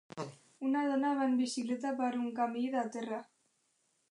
Una dona va en bicicleta per un camí de terra.